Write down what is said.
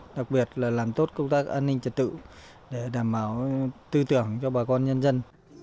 đặc biệt là làm tốt công tác an ninh trật tự để đảm bảo tư tưởng cho bà con nhân dân